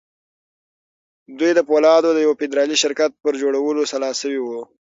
دوی د پولادو د يوه فدرالي شرکت پر جوړولو سلا شوي وو.